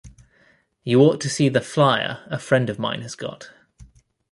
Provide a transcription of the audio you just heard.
You ought to see the flier a friend of mine has got.